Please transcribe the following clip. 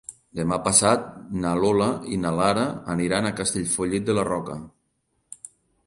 Demà passat na Lola i na Lara aniran a Castellfollit de la Roca.